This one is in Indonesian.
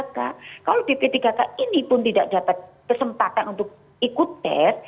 kalau pppk ini pun tidak dapat kesempatan untuk ikut tes